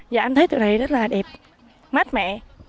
dạ em thấy tụi này rất là đẹp mát mẹ